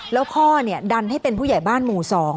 แล้วพ่อดันให้เป็นผู้ใหญ่บ้านหมู่๒